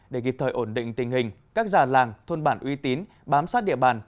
để kịp thời ổn định tình hình các già làng thôn bản uy tín bám sát địa bàn